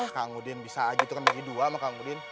kang udin bisa aja itu kan bagi dua maka kang udin